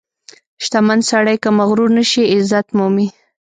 • شتمن سړی که مغرور نشي، عزت مومي.